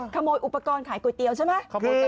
ขโมยอุปกรณ์ขายก๋วยเตี๋ยวใช่ไหม